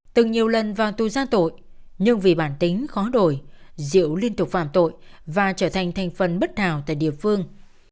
từng nhiều lần vào tu giang tội nhưng vì bản tính khó đổi diệu liên tục phạm tội và trở thành thành phần bất hào tại địa phương